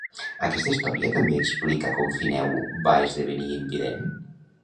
Aquesta història també explica com Fineu va esdevenir invident?